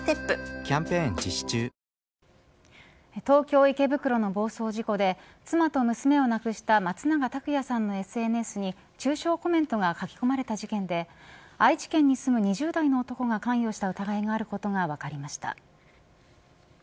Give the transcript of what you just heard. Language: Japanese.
東京、池袋の暴走事故で妻と娘を亡くした松永拓也さんのＳＮＳに中傷コメントが書き込まれた事件で愛知県に住む２０代の男が関与した疑いがあることが分かりました。